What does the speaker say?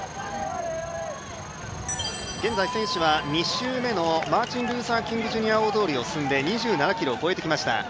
現在選手は２周目のマーティン・ルーサー・キング・ジュニア大通りをすぎて２７ｋｍを超えてきました